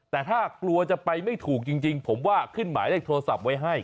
แต่ถ้ากลัวจะไปไม่ถูกจริงผมว่าขึ้นหมายเลขโทรศัพท์ไว้ให้